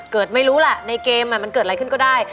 ไม่รู้แหละในเกมมันเกิดอะไรขึ้นก็ได้